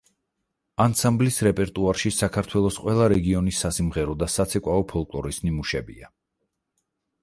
ანსამბლის რეპერტუარში საქართველოს ყველა რეგიონის სასიმღერო და საცეკვაო ფოლკლორის ნიმუშებია.